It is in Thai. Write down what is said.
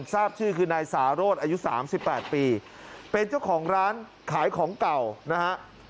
ทราบชื่อคือนายสารสอายุ๓๘ปีเป็นเจ้าของร้านขายของเก่านะฮะ